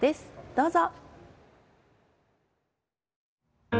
どうぞ。